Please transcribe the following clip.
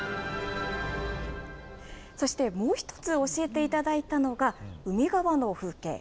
そして、もう１つ教えていただいたのが、海側の風景。